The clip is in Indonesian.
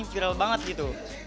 viral banget gitu